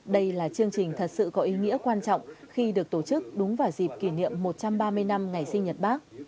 đây là chương trình thật sự có ý nghĩa quan trọng khi được tổ chức đúng vào dịp kỷ niệm một trăm ba mươi năm ngày sinh nhật bác